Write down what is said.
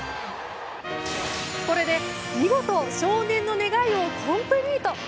これで見事、少年の願いをコンプリート。